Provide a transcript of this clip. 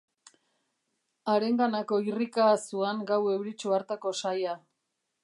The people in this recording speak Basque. Harenganako irrika zuan gau euritsu hartako saia.